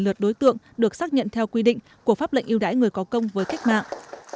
một lượt đối tượng được xác nhận theo quy định của pháp lệnh yêu đáy người có công với cách mạng